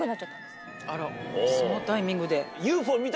あらそのタイミングで。